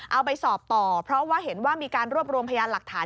เอาไปสอบต่อเพราะว่าเห็นว่ามีการรวบรวมพยานหลักฐาน